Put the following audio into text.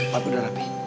pak gue udah rapi